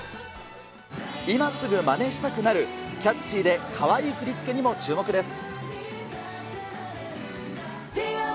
今すぐまねしたくなる、キャッチーでかわいい振り付けにも注目です。